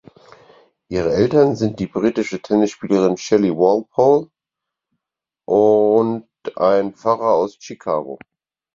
Ihre Eltern sind die britische Tennisspielerin Shelley Walpole und ein Pfarrer aus Chicago.